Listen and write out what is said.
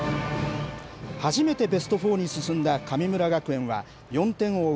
初めてベストフォーに進んだ神村学園は、４点を追う